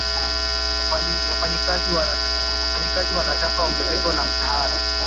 wafanyikazi wanataka ongezeko la mshahara